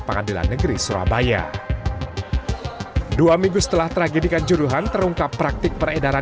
pengadilan negeri surabaya dua minggu setelah tragedikan juruhan terungkap praktik peredaran